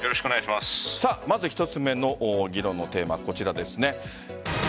まず１つ目の議論のテーマこちらです。